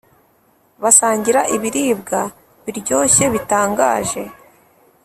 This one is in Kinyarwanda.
basangira ibiribwa biryoshye bitangaje.